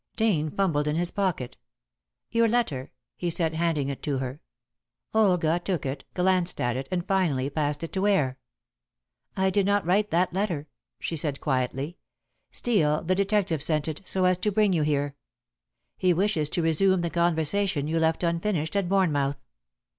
Dane fumbled in his pocket. "Your letter," he said, handing it to her. Olga took it, glanced at it, and finally passed it to Ware. "I did not write that letter," she said quietly. "Steel the detective sent it, so as to bring you here. He wishes to resume the conversation you left unfinished at Bournemouth."